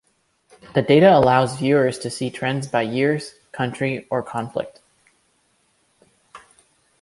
The data allows viewers to see trends by years, country, or conflict.